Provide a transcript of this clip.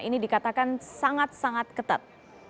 ini dikatakan sangat sangat ketat